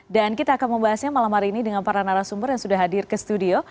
dan kita akan membahasnya malam hari ini dengan para narasumber yang sudah hadir ke studio